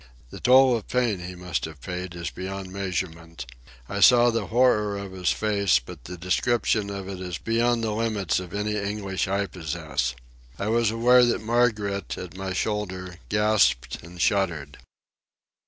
The toll of pain he must have paid is beyond measurement. I saw the horror of his face, but the description of it is beyond the limits of any English I possess. I was aware that Margaret, at my shoulder, gasped and shuddered.